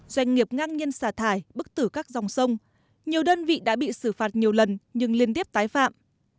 doanh nghiệp ngang nhiên xả thải bức tử các dòng sông nhiều đơn vị đã bị xử phạt nhiều lần nhưng liên tiếp tái phạm